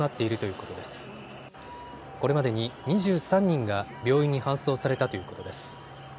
これまでに２３人が病院に搬送されたということです。